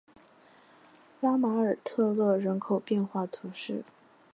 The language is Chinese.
拉马尔特勒人口变化图示